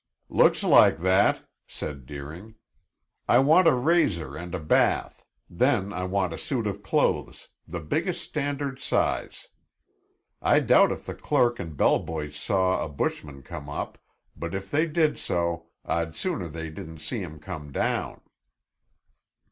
"Looks like that!" said Deering. "I want a razor and a bath; then I want a suit of clothes, the biggest standard size. I doubt if the clerk and bell boys saw a bushman come up, but if they did so, I'd sooner they didn't see him come down."